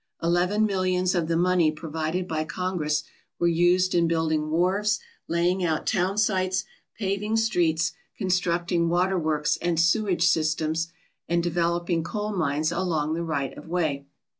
Eleven millions of the money provided by Congress were used in building wharves, laying out townsites, paving streets, constructing waterworks and sewerage systems, and developing coal mines along the right of way.